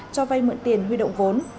cho vay mượn tiền huy động vốn